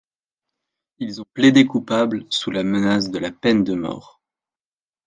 Ils ont plaidé coupables sous la menace de la peine de mort.